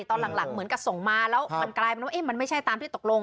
ตอนหลังเหมือนกับส่งมาแล้วมันกลายเป็นว่ามันไม่ใช่ตามที่ตกลง